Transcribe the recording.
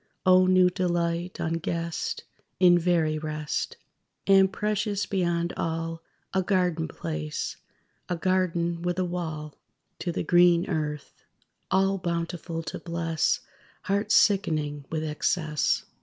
O new delight, unguessed, In very rest! And precious beyond all, A garden place, a garden with a wall! To the green earth! All bountiful to bless Hearts sickening with excess.